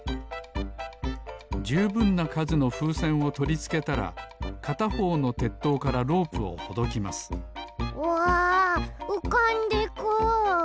じゅうぶんなかずのふうせんをとりつけたらかたほうのてっとうからロープをほどきますわうかんでく！